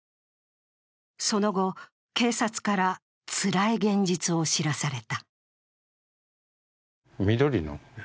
その後、警察から、つらい現実を知らされた。